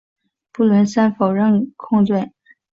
布伦森否认控罪。